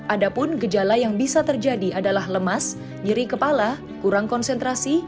ada pun gejala yang bisa terjadi adalah lemas nyeri kepala kurang konsentrasi